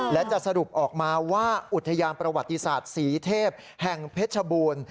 และจะสรุปออกมาว่าอุทยานประวัติศาสตร์ศรีเทพแห่งเพชรบูรณ์